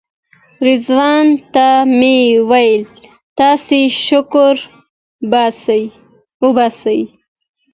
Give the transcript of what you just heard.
رضوان ته مې ویل تاسې شکر وباسئ.